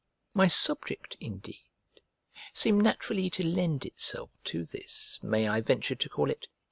My subject, indeed, seemed naturally to lend itself to this (may I venture to call it?)